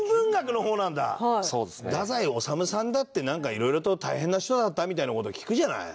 太宰治さんだってなんかいろいろと大変な人だったみたいな事を聞くじゃない。